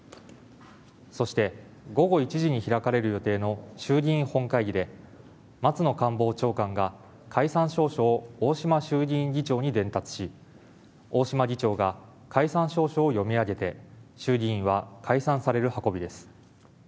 そして午後１時に開かれる予定の衆議院本会議で松野官房長官が解散詔書を大島衆議院議長に伝達し、大島議長が解散詔書を読み上げて衆議院は解散される運びです。